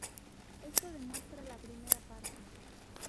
Esto demuestra la primera parte.